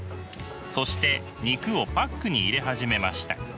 そして肉をパックに入れ始めました。